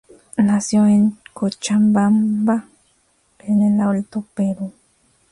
Nació en Cochabamba, en el Alto Perú.